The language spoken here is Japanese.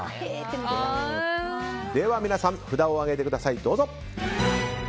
では皆さん札を上げてください。